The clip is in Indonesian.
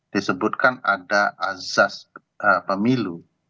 disebutkan ada azas pemilu